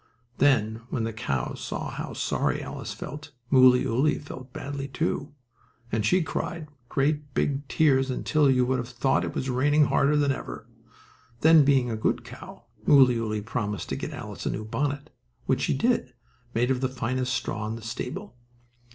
Then, when the cow saw how sorry Alice felt, Mooleyooly felt badly, too, and she cried great big tears until you would have thought it was raining harder then ever. Then, being a good cow, Mooleyooly promised to get Alice a new bonnet, which she did, made of the finest straw in the stable.